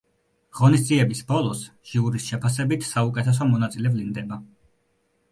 ღონისძიების ბოლოს ჟიურის შეფასებით საუკეთესო მონაწილე ვლინდება.